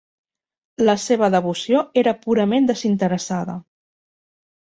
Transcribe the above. La seva devoció era purament desinteressada.